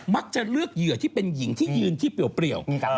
จะเลือกเหยื่อที่เป็นหญิงที่ยืนที่เปรียว